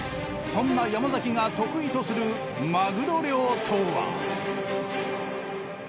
そんな山崎が得意とするマグロ漁とは。